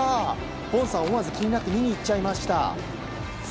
ボンサー、思わず気になって見に行っちゃいました。